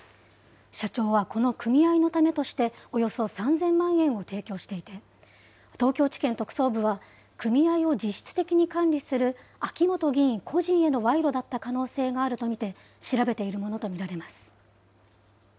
社長はこの組合のためとして、およそ３０００万円を提供していて、東京地検特捜部は組合を実質的に管理する秋本議員個人への賄賂だった可能性があると見て調べているものと見られます。